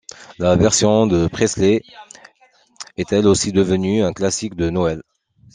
La version de Presley est elle aussi devenue un classique de Noël.